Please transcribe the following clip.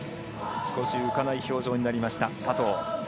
少し浮かない表情になりました、佐藤。